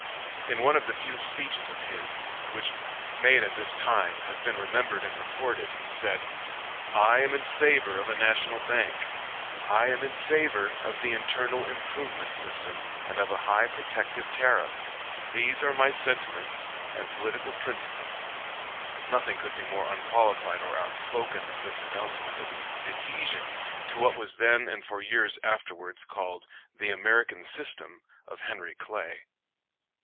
In one of the few speeches of his, which, made at this time, have been remembered and reported, he said: "I am in favor of a national bank; I am in favor of the internal improvement system, and of a high protective tariff. These are my sentiments and political principles." Nothing could be more unqualified or outspoken than this announcement of his adhesion to what was then and for years afterwards called "the American System" of Henry Clay.